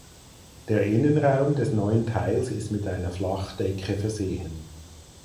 Der Innenraum des neuen Teils ist mit einer Flachdecke versehen.